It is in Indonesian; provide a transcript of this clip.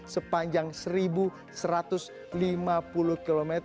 sepanjang seribu satu ratus lima puluh km